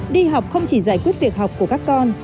đi học không chỉ giải quyết việc học của các con